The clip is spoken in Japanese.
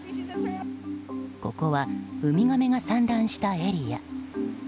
ここはウミガメが産卵したエリア。